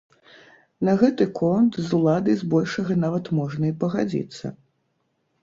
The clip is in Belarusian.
На гэты конт з уладай збольшага нават можна і пагадзіцца.